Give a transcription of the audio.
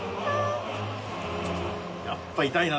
やっぱ痛いな。